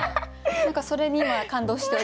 何かそれに今感動して。